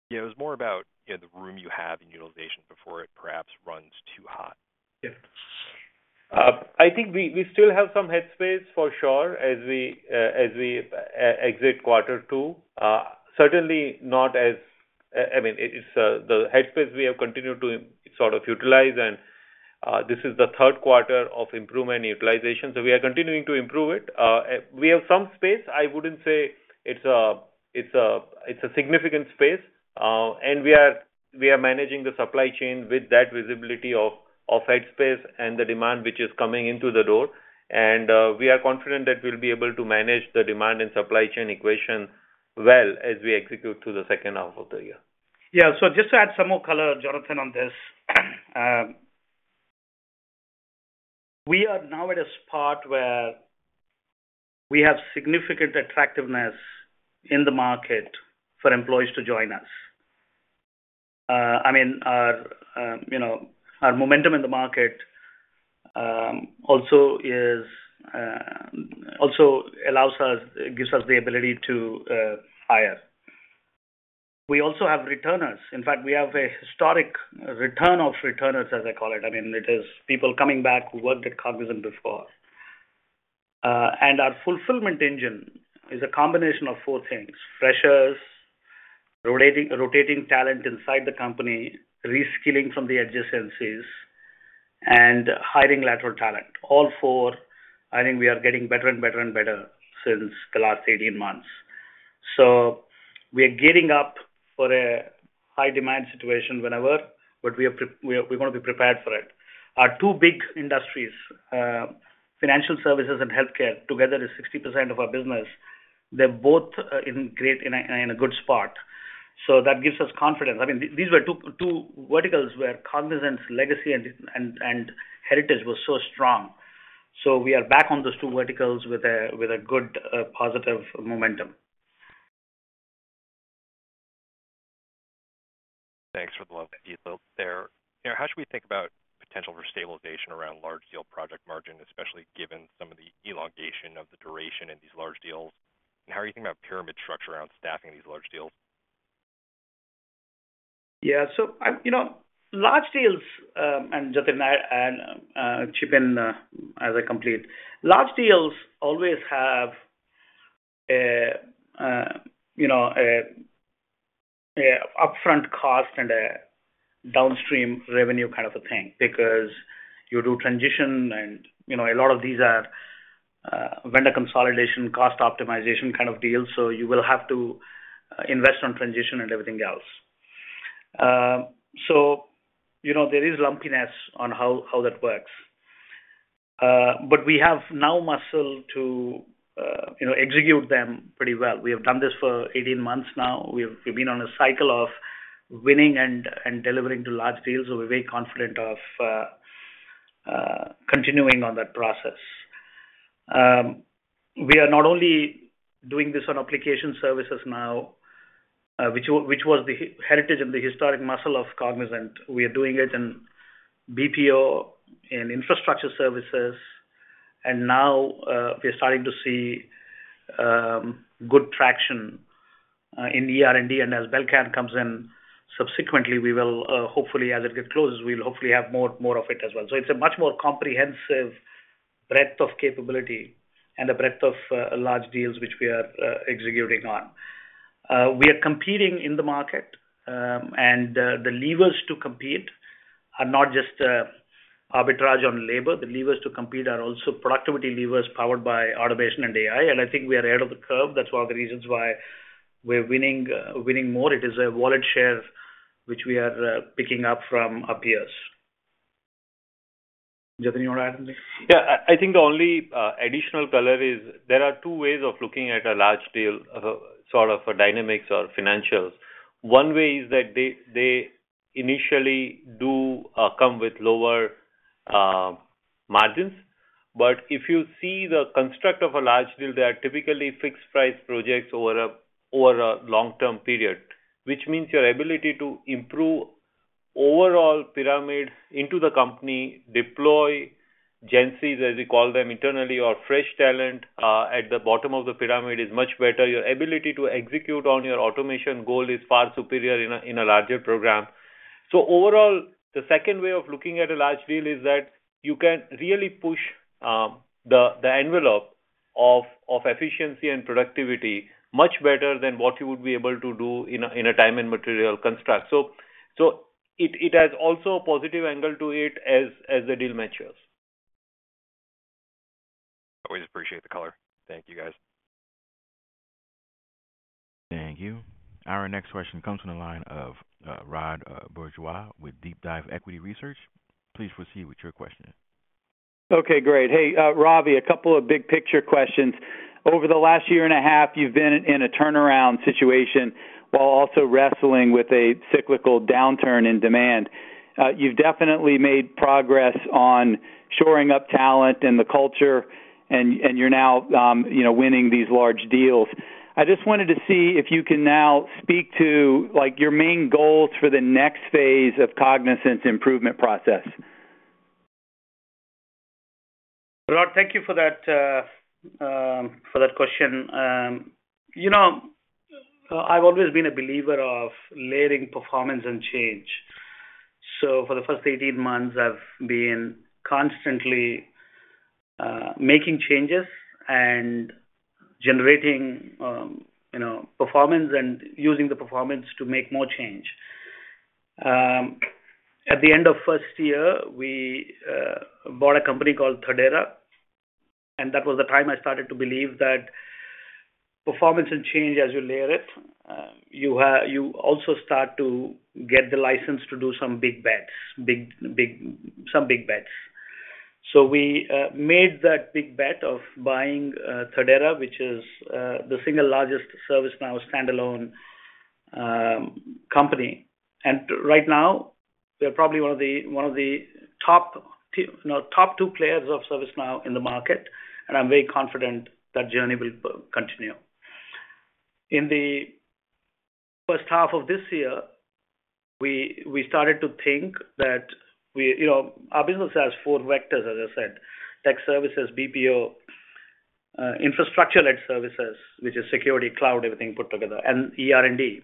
Yeah, it was more about, you know, the room you have in utilization before it perhaps runs too hot. Yep. I think we still have some headspace for sure as we exit quarter two. Certainly not as... I mean, it's the headspace we have continued to sort of utilize, and this is the third quarter of improvement utilization, so we are continuing to improve it. We have some space. I wouldn't say it's a significant space, and we are managing the supply chain with that visibility of headspace and the demand which is coming into the door. And we are confident that we'll be able to manage the demand and supply chain equation well as we execute through the second half of the year. Yeah. So just to add some more color, Jonathan, on this. We are now at a spot where we have significant attractiveness in the market for employees to join us. I mean, our, you know, our momentum in the market, also is, also allows us—gives us the ability to hire. We also have returners. In fact, we have a historic return of returners, as I call it. I mean, it is people coming back who worked at Cognizant before. And our fulfillment engine is a combination of four things: freshers, rotating talent inside the company, reskilling from the adjacencies, and hiring lateral talent. All four, I think we are getting better and better and better since the last 18 months. So we are gearing up for a high-demand situation whenever, but we want to be prepared for it. Our two big industries, financial services and healthcare, together is 60% of our business. They're both in great, in a, in a good spot. So that gives us confidence. I mean, these were two, two verticals where Cognizant's legacy and, and, and heritage was so strong. So we are back on those two verticals with a, with a good, positive momentum. Thanks for the level of detail there. You know, how should we think about potential for stabilization around large deal project margin, especially given some of the elongation of the duration in these large deals? And how are you thinking about pyramid structure around staffing these large deals? Yeah. So, I'm... You know, large deals, and Jatin and I, and, chip in, as I complete. Large deals always have a, you know, a upfront cost and a downstream revenue kind of a thing because you do transition and, you know, a lot of these are vendor consolidation, cost optimization kind of deals, so you will have to invest on transition and everything else. So, you know, there is lumpiness on how that works. But we have now muscle to, you know, execute them pretty well. We have done this for 18 months now. We've been on a cycle of winning and delivering to large deals, so we're very confident of continuing on that process. We are not only doing this on application services now, which was the heritage and the historic muscle of Cognizant. We are doing it in BPO, in infrastructure services, and now, we're starting to see good traction in ER&D. And as Belcan comes in, subsequently, we will, hopefully, as it gets closes, we'll hopefully have more, more of it as well. So it's a much more comprehensive breadth of capability and a breadth of large deals which we are executing on. We are competing in the market, and the levers to compete are not just arbitrage on labor. The levers to compete are also productivity levers powered by automation and AI, and I think we are ahead of the curve. That's one of the reasons why we're winning, winning more. It is a wallet share, which we are picking up from our peers. Jatin, you want to add anything? Yeah. I think the only additional color is there are two ways of looking at a large deal, sort of for dynamics or financials. One way is that they initially do come with lower. Margins. But if you see the construct of a large deal, they are typically fixed-price projects over a long-term period, which means your ability to improve overall pyramid into the company, deploy GenCss, as we call them internally, or fresh talent at the bottom of the pyramid, is much better. Your ability to execute on your automation goal is far superior in a larger program. So overall, the second way of looking at a large deal is that you can really push the envelope of efficiency and productivity much better than what you would be able to do in a time and material construct. So it has also a positive angle to it as the deal matures. Always appreciate the color. Thank you, guys. Thank you. Our next question comes from the line of, Rod Bourgeois with Deep Dive Equity Research. Please proceed with your question. Okay, great. Hey, Ravi, a couple of big-picture questions. Over the last year and a half, you've been in a turnaround situation while also wrestling with a cyclical downturn in demand. You've definitely made progress on shoring up talent and the culture, and you're now, you know, winning these large deals. I just wanted to see if you can now speak to, like, your main goals for the next phase of Cognizant's improvement process. Rod, thank you for that question. You know, I've always been a believer of layering performance and change. So for the first 18 months, I've been constantly making changes and generating, you know, performance and using the performance to make more change. At the end of first year, we bought a company called Thirdera, and that was the time I started to believe that performance and change, as you layer it, you also start to get the license to do some big bets. So we made that big bet of buying Thirdera, which is the single largest ServiceNow standalone company. Right now, we're probably one of the, one of the top two players of ServiceNow in the market, and I'm very confident that journey will continue. In the first half of this year, we started to think that we, you know, our business has four vectors, as I said: tech services, BPO, infrastructure-led services, which is security, cloud, everything put together, and ER&D.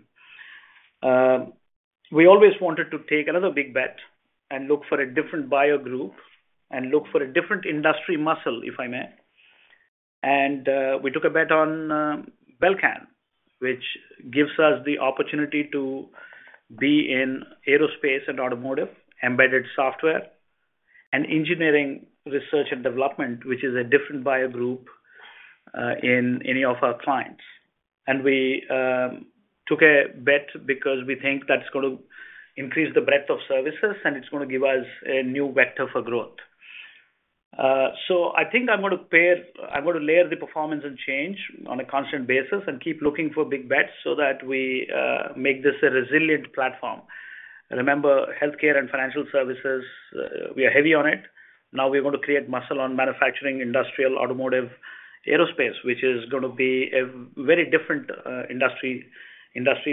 We always wanted to take another big bet and look for a different buyer group and look for a different industry muscle, if I may. We took a bet on Belcan, which gives us the opportunity to be in aerospace and automotive, embedded software, and engineering, research, and development, which is a different buyer group in any of our clients. And we took a bet because we think that's gonna increase the breadth of services, and it's gonna give us a new vector for growth. So I think I'm gonna layer the performance and change on a constant basis and keep looking for big bets so that we make this a resilient platform. Remember, healthcare and financial services, we are heavy on it. Now we're going to create muscle on manufacturing, industrial, automotive, aerospace, which is gonna be a very different industry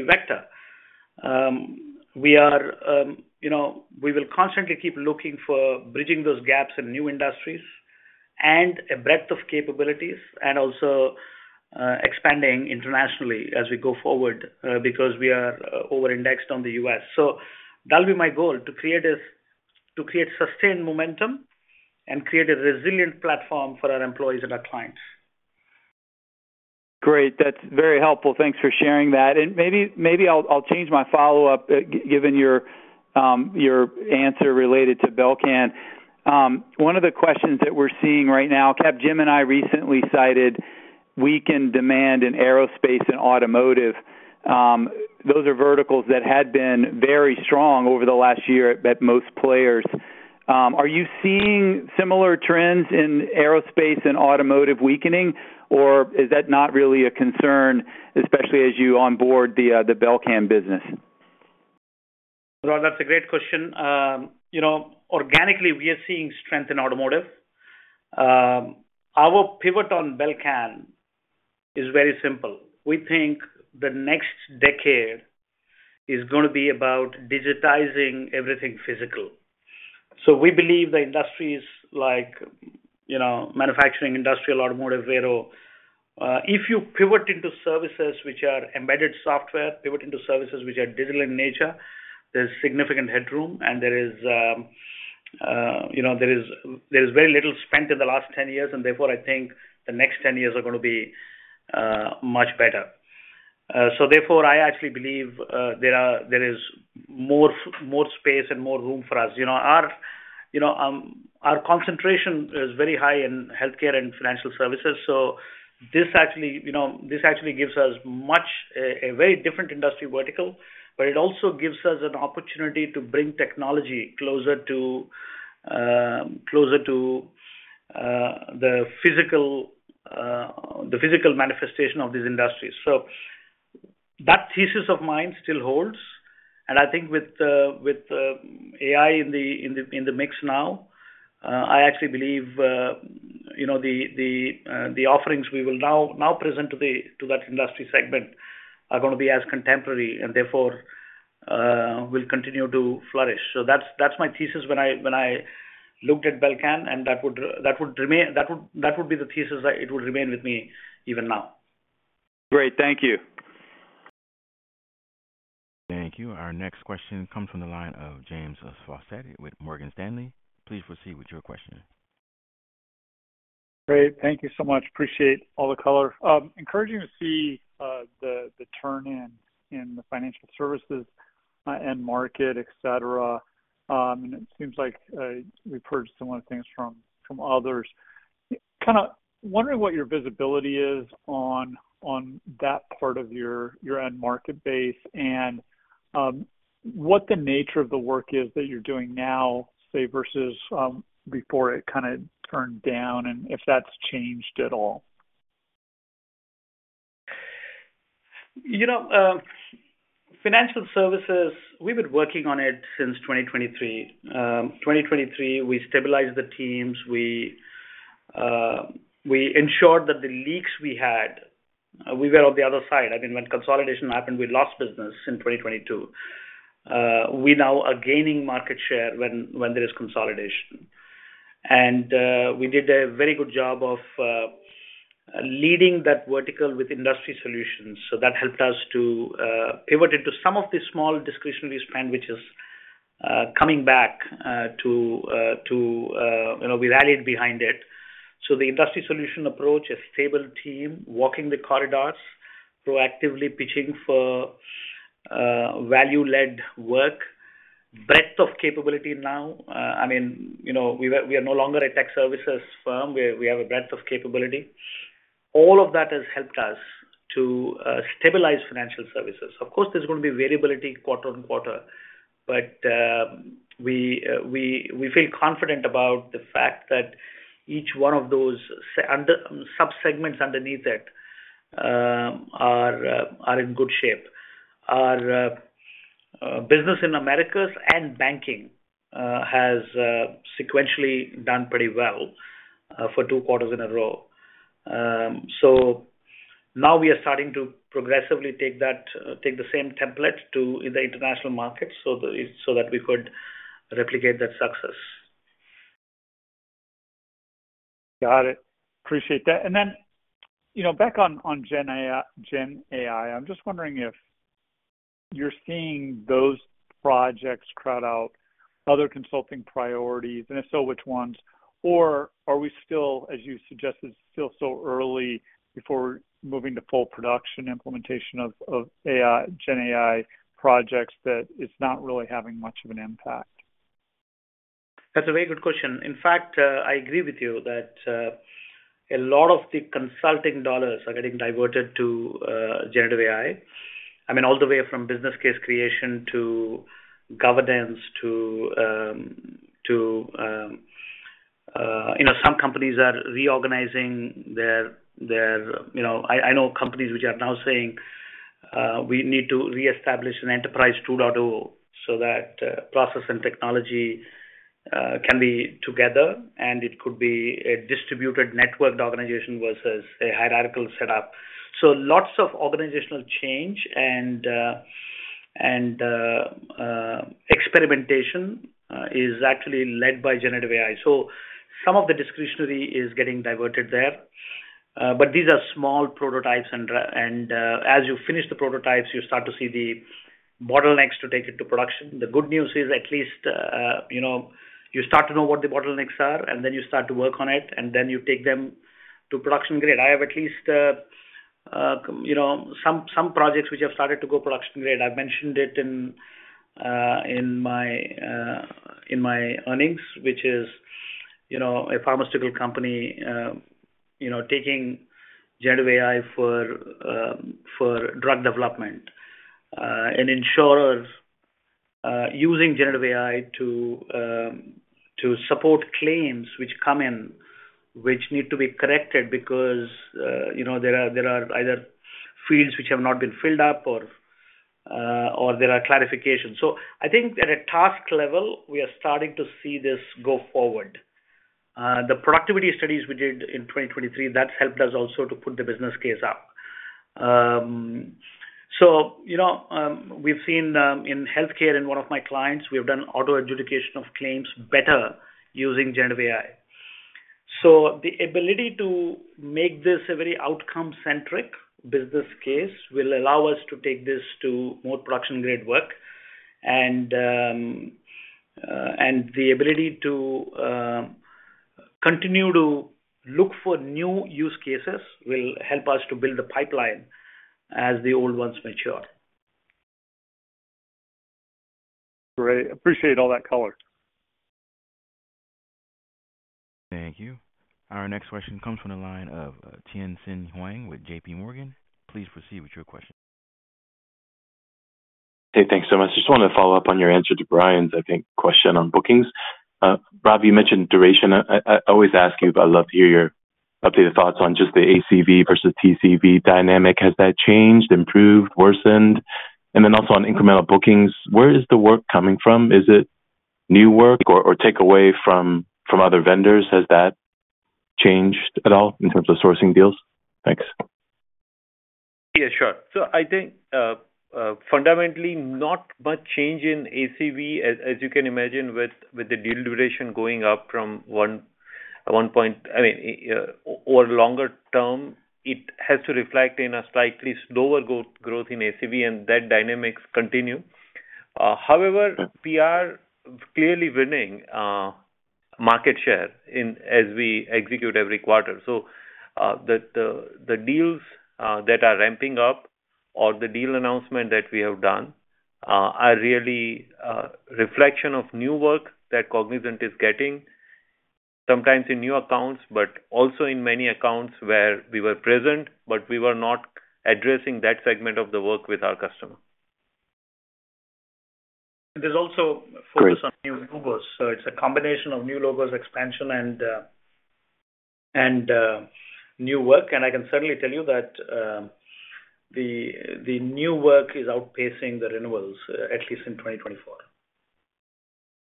vector. We are, you know, we will constantly keep looking for bridging those gaps in new industries and a breadth of capabilities and also expanding internationally as we go forward because we are over-indexed on the U.S. That'll be my goal, to create sustained momentum and create a resilient platform for our employees and our clients. Great. That's very helpful. Thanks for sharing that. And maybe I'll change my follow-up, given your answer related to Belcan. One of the questions that we're seeing right now, Capgemini recently cited weakened demand in aerospace and automotive. Those are verticals that had been very strong over the last year at most players. Are you seeing similar trends in aerospace and automotive weakening, or is that not really a concern, especially as you onboard the Belcan business? Rod, that's a great question. You know, organically, we are seeing strength in automotive. Our pivot on Belcan is very simple. We think the next decade is gonna be about digitizing everything physical. So we believe the industries like, you know, manufacturing, industrial, automotive, aero, if you pivot into services which are embedded software, pivot into services which are digital in nature, there's significant headroom, and there is, there's very little spent in the last 10 years, and therefore, I think the next 10 years are gonna be much better. So therefore, I actually believe there is more, more space and more room for us. You know, our concentration is very high in healthcare and financial services, so this actually, this actually gives us much. A very different industry vertical, but it also gives us an opportunity to bring technology closer to, closer to, the physical, the physical manifestation of these industries. That thesis of mine still holds, and I think with, with, AI in the, in the, in the mix now, I actually believe, you know, the, the, the offerings we will now, now present to the, to that industry segment are gonna be as contemporary and therefore, will continue to flourish. So that's, that's my thesis when I, when I looked at Belcan, and that would, that would remain that would, that would be the thesis that it would remain with me even now. Great, thank you. Thank you. Our next question comes from the line of James Faucette with Morgan Stanley. Please proceed with your question. Great. Thank you so much. Appreciate all the color. Encouraging to see the turn in the financial services end market, etc. And it seems like we've heard similar things from others. Kinda wondering what your visibility is on that part of your end market base and what the nature of the work is that you're doing now, say, versus before it kinda turned down, and if that's changed at all. You know, financial services, we've been working on it since 2023. 2023, we stabilized the teams. We ensured that the leaks we had, we were on the other side. I mean, when consolidation happened, we lost business in 2022. We now are gaining market share when there is consolidation. And we did a very good job of leading that vertical with industry solutions. So that helped us to pivot into some of the small discretionary spend, which is coming back to you know, we rallied behind it. So the industry solution approach, a stable team, walking the corridors, proactively pitching for value-led work. Breadth of capability now, I mean, you know, we are no longer a tech services firm. We have a breadth of capability. All of that has helped us to stabilize financial services. Of course, there's gonna be variability quarter on quarter, but we feel confident about the fact that each one of those subsegments underneath it are in good shape. Our business in Americas and banking has sequentially done pretty well for two quarters in a row. So now we are starting to progressively take the same template to the international market, so that we could replicate that success. Got it. Appreciate that. And then, you know, back on, on Gen AI, Gen AI. I'm just wondering if you're seeing those projects crowd out other consulting priorities, and if so, which ones? Or are we still, as you suggested, still so early before moving to full production implementation of, of AI, Gen AI projects that it's not really having much of an impact? That's a very good question. In fact, I agree with you that a lot of the consulting dollars are getting diverted to Generative AI. I mean, all the way from business case creation to governance to, you know, some companies are reorganizing their, their... You know, I know companies which are now saying, "We need to reestablish an Enterprise 2.0 so that process and technology can be together," and it could be a distributed networked organization versus a hierarchical setup. So lots of organizational change and experimentation is actually led by Generative AI. So some of the discretionary is getting diverted there, but these are small prototypes. And as you finish the prototypes, you start to see the bottlenecks to take it to production. The good news is at least, you know, you start to know what the bottlenecks are, and then you start to work on it, and then you take them to production grade. I have at least, you know, some projects which have started to go production grade. I've mentioned it in my earnings, which is, you know, a pharmaceutical company, you know, taking generative AI for drug development. And insurers, using generative AI to support claims which come in, which need to be corrected because, you know, there are either fields which have not been filled up or there are clarifications. So I think at a task level, we are starting to see this go forward. The productivity studies we did in 2023, that's helped us also to put the business case up. So, you know, we've seen, in healthcare, in one of my clients, we have done auto-adjudication of claims better using generative AI. So the ability to make this a very outcome-centric business case will allow us to take this to more production-grade work. And, and the ability to continue to look for new use cases will help us to build a pipeline as the old ones mature. Great. Appreciate all that color. Thank you. Our next question comes from the line of, Tien-tsin Huang with JPMorgan. Please proceed with your question. Hey, thanks so much. Just wanted to follow up on your answer to Brian's, I think, question on bookings. Ravi, you mentioned duration. I always ask you, but I'd love to hear your updated thoughts on just the ACV versus TCV dynamic. Has that changed, improved, worsened? And then also on incremental bookings, where is the work coming from? Is it new work or take away from other vendors? Has that changed at all in terms of sourcing deals? Thanks. Yeah, sure. So I think, fundamentally, not much change in ACV as you can imagine, with the deal duration going up from 1.1%. I mean, over longer term, it has to reflect in a slightly slower growth in ACV, and that dynamics continue. However, we are clearly winning market share in as we execute every quarter. So, the deals that are ramping up or the deal announcement that we have done are really reflection of new work that Cognizant is getting, sometimes in new accounts, but also in many accounts where we were present, but we were not addressing that segment of the work with our customer. There's also focus on new logos. So it's a combination of new logos, expansion, and new work. And I can certainly tell you that the new work is outpacing the renewals, at least in 2024.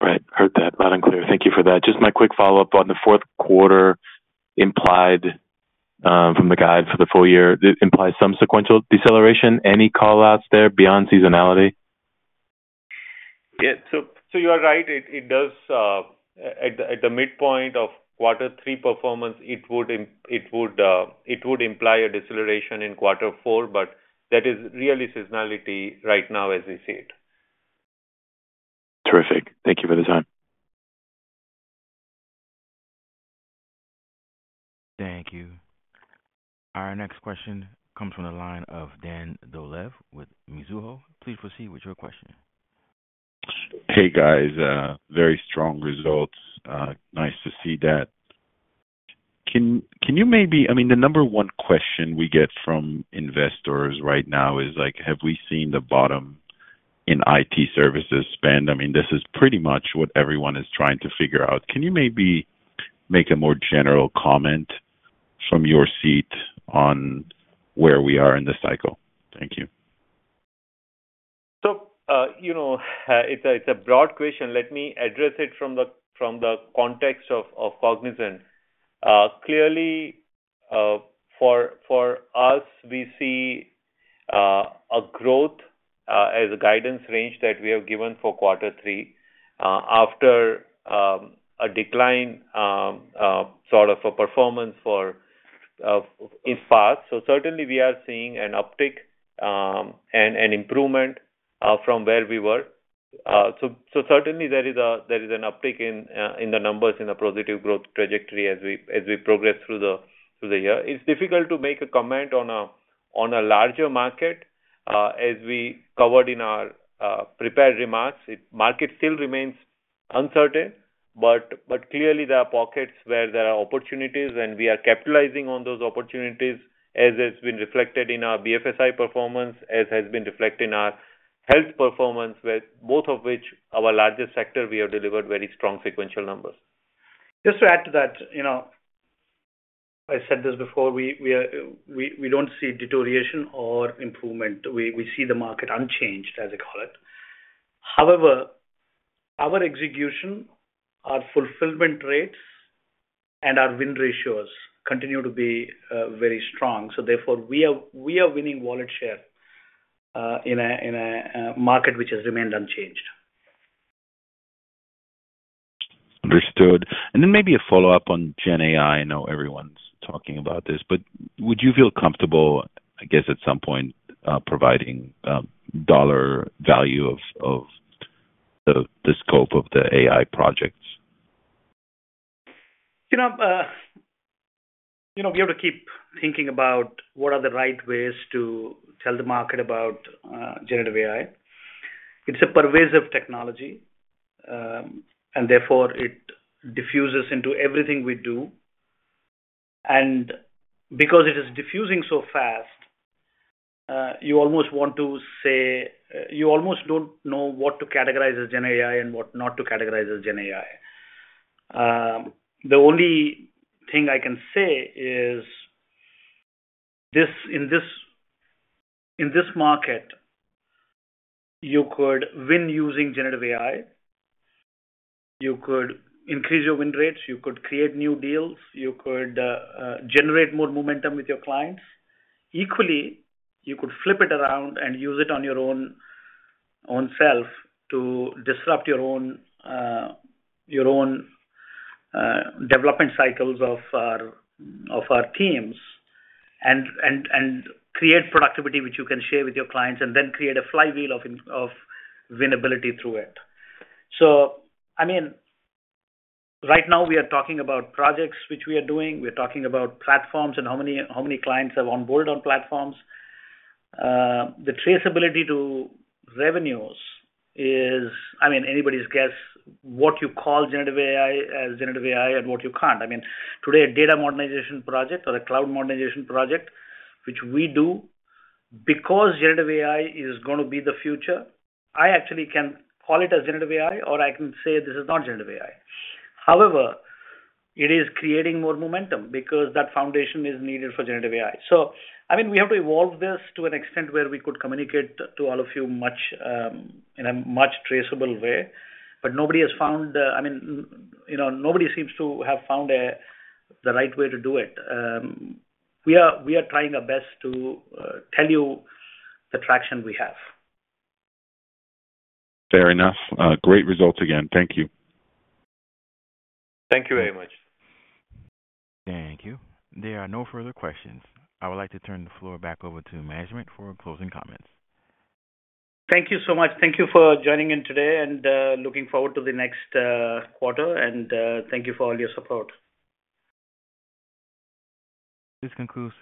Right. Heard that loud and clear. Thank you for that. Just my quick follow-up on the fourth quarter implied from the guide for the full year, it implies some sequential deceleration. Any call-outs there beyond seasonality? Yeah. So, you are right. It does. At the midpoint of quarter three performance, it would imply a deceleration in quarter four, but that is really seasonality right now, as we see it. Terrific. Thank you for the time. Thank you. Our next question comes from the line of Dan Dolev with Mizuho. Please proceed with your question. Hey, guys. Very strong results. Nice to see that. Can you maybe, I mean, the number one question we get from investors right now is, like, have we seen the bottom in IT services spend? I mean, this is pretty much what everyone is trying to figure out. Can you maybe make a more general comment from your seat on where we are in the cycle? Thank you. So, you know, it's a broad question. Let me address it from the context of Cognizant. Clearly, for us, we see a growth as a guidance range that we have given for quarter three, after a decline sort of a performance for in past. So certainly we are seeing an uptick, and an improvement from where we were. So certainly there is an uptick in the numbers in a positive growth trajectory as we progress through the year. It's difficult to make a comment on a larger market, as we covered in our prepared remarks. It... Market still remains uncertain, but clearly there are pockets where there are opportunities, and we are capitalizing on those opportunities, as has been reflected in our BFSI performance, as has been reflected in our health performance, with both of which, our largest sector, we have delivered very strong sequential numbers. Just to add to that, you know, I said this before, we are, we don't see deterioration or improvement. We see the market unchanged, as I call it. However, our execution, our fulfillment rates, and our win ratios continue to be very strong. So therefore, we are winning wallet share in a market which has remained unchanged. Understood. And then maybe a follow-up on GenAI. I know everyone's talking about this, but would you feel comfortable, I guess, at some point, providing dollar value of the scope of the AI projects? You know, you know, we have to keep thinking about what are the right ways to tell the market about generative AI. It's a pervasive technology, and therefore it diffuses into everything we do. And because it is diffusing so fast, you almost want to say, you almost don't know what to categorize as GenAI and what not to categorize as GenAI. The only thing I can say is this, in this, in this market, you could win using generative AI. You could increase your win rates, you could create new deals, you could generate more momentum with your clients. Equally, you could flip it around and use it on your own self to disrupt your own development cycles of our teams and create productivity which you can share with your clients, and then create a flywheel of winnability through it. So I mean, right now we are talking about projects which we are doing. We're talking about platforms and how many clients have onboarded on platforms. The traceability to revenues is, I mean, anybody's guess what you call generative AI as generative AI and what you can't. I mean, today, a data modernization project or a cloud modernization project, which we do, because generative AI is gonna be the future, I actually can call it as generative AI, or I can say this is not generative AI. However, it is creating more momentum because that foundation is needed for generative AI. So, I mean, we have to evolve this to an extent where we could communicate to all of you much in a much traceable way. But nobody has found, I mean, you know, nobody seems to have found the right way to do it. We are trying our best to tell you the traction we have. Fair enough. Great results again. Thank you. Thank you very much. Thank you. There are no further questions. I would like to turn the floor back over to management for closing comments. Thank you so much. Thank you for joining in today, and looking forward to the next quarter. Thank you for all your support. This concludes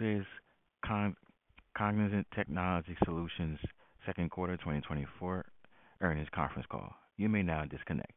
Cognizant Technology Solutions second quarter 2024 earnings conference call. You may now disconnect.